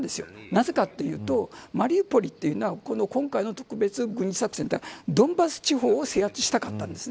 なぜかというと、マリウポリは今回の特別軍事作戦はドンバス地方を制圧したかったんです。